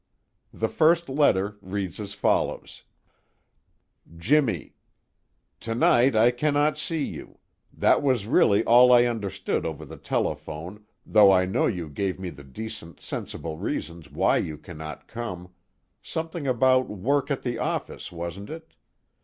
The first letter reads as follows: "Jimmy "Tonight I cannot see you that was really all I understood over the telephone, though I know you gave me the decent sensible reasons why you cannot come something about work at the office, wasn't it?